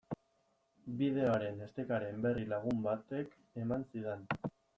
Bideoaren estekaren berri lagun batek eman zidan.